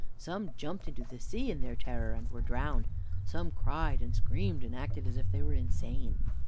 Some jumped into the sea in their terror, and were drowned. Some cried and screamed, and acted as if they were insane.